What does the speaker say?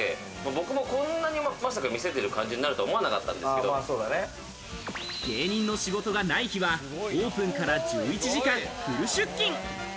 僕も、こんなに、まさか店出る感じになるとは思ってなかったんで芸人の仕事がない日はオープンから１１時間フル出勤！